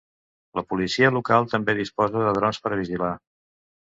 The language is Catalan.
La policia local també disposa de drons per a vigilar.